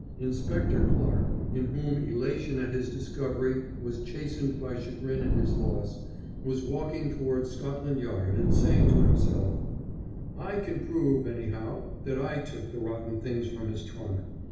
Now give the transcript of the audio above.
Inspector Clarke, in whom elation at his discovery was chastened by chagrin at his loss, was walking towards Scotland Yard and saying to himself: "I can prove, anyhow, that I took the rotten things from his trunk.